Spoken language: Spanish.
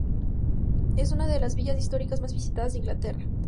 Es una de las villas históricas más visitadas de Inglaterra.